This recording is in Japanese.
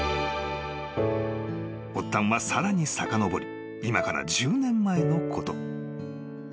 ［発端はさらにさかのぼり今から１０年前のこと］